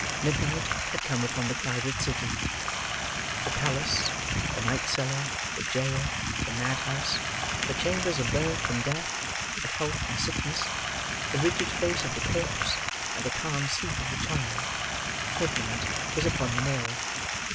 Midnight had come upon the crowded city. The palace, the night cellar, the jail, the madhouse: the chambers of birth and death, of health and sickness, the rigid face of the corpse and the calm sleep of the child: midnight was upon them all.